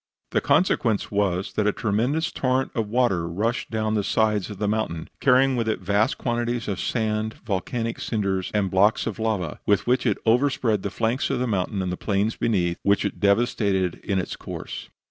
The consequence was, that a tremendous torrent of water rushed down the sides of the mountain, carrying with it vast quantities of sand, volcanic cinders and blocks of lava, with which it overspread the flanks of the mountain and the plains beneath, which it devastated in its course.